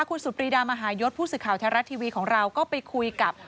คุณสุตรีดามหายศผู้สื่อข่าวธรรมชาติทวีของเราก็ไปคุยกับ